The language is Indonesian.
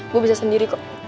gue bisa sendiri kok